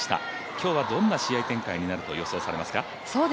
今日はどんな試合展開になると予想しますか。